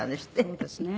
そうですね。